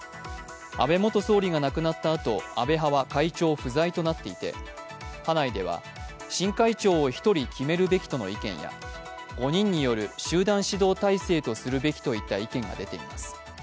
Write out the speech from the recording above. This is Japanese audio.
安倍元総理が亡くなったあと安倍派は会長不在となっていて派内では新会長を１人決めるべきとの意見や５人による集団指導体制とするべきといった意見が出ています。